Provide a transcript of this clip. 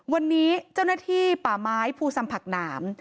วันนี้เจ้าหน้าที่ป่าไม้ภูซัมผักหนาม